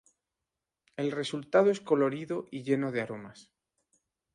El resultado es colorido y lleno de aromas.